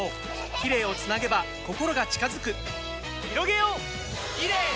キレイをつなげば心が近づくひろげようキレイの輪！